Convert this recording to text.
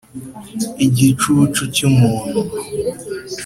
igicucu cy umuntu